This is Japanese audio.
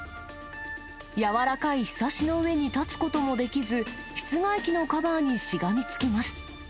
柔らかいひさしの上に立つこともできず、室外機のカバーにしがみつきます。